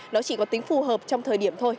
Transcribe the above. nó chỉ có tính phù hợp trong thời điểm thôi